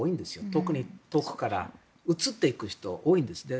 特に遠くから、移ってくる人が多いんですって。